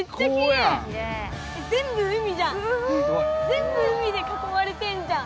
全部海で囲まれてんじゃん！